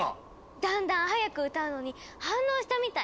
だんだん速く歌うのに反応したみたい。